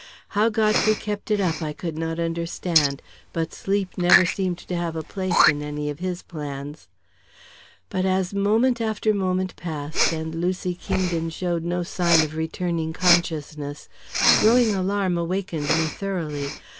How Godfrey kept it up I could not understand, but sleep never seemed to have a place in any of his plans. But as moment after moment passed, and Lucy Kingdon showed no sign of returning consciousness, growing alarm awakened me thoroughly.